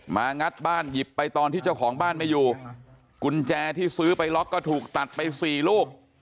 งัดบ้านหยิบไปตอนที่เจ้าของบ้านไม่อยู่กุญแจที่ซื้อไปล็อกก็ถูกตัดไปสี่ลูก